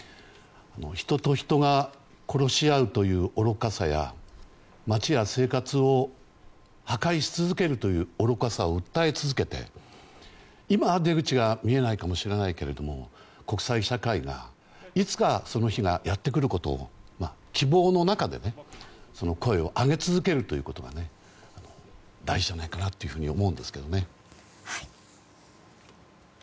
人と人が殺し合うという愚かさや街や生活を破壊し続けるという愚かさを訴え続けて今は出口が見えないかもしれないけれども国際社会が、いつかその日がやってくることを希望の中で声を上げ続けるということが大事じゃないかなと思うんですけどね。